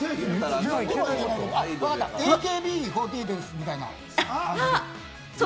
ＡＫＢ４８に移りたいな。